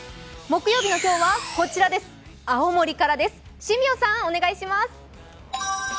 木曜日の今日は、青森からです。